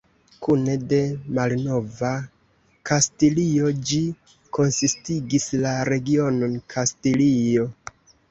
Kune de Malnova Kastilio, ĝi konsistigis la regionon Kastilio.